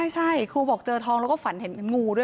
ใช่ครูบอกเจอทองแล้วก็ฝันเห็นงูด้วย